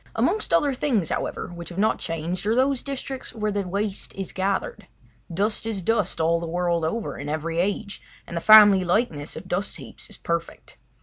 Amongst other things, however, which have not changed are those districts where the waste is gathered. Dust is dust all the world over, in every age, and the family likeness of dust heaps is perfect.